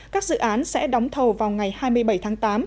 các dự án sẽ đóng thầu vào ngày hai mươi bảy tháng tám